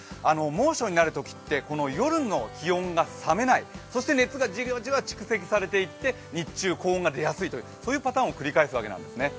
猛暑になるときって夜の気温が冷めない、そして熱がじわじわ蓄積されていって日中、高温が出やすいというパターンを繰り返すわけですね。